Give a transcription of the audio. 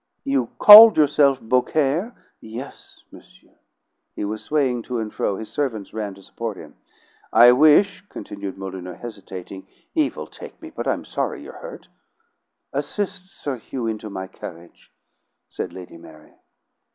"You called yourself Beaucaire?" "Yes, monsieur." He was swaying to and fro; his servants ran to support him. "I wish " continued Molyneux, hesitating. "Evil take me! but I'm sorry you're hurt." "Assist Sir Hugh into my carriage," said Lady Mary.